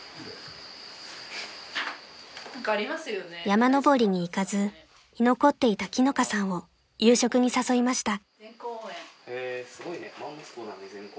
［山登りに行かず居残っていた樹乃香さんを夕食に誘いました］